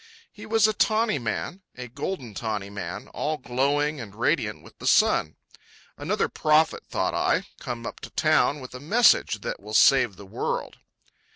He was a tawny man, a golden tawny man, all glowing and radiant with the sun. Another prophet, thought I, come up to town with a message that will save the world.